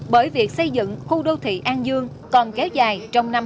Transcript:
bởi việc xây dựng khu đô thị an dương còn kéo dài trong năm hai nghìn một mươi sáu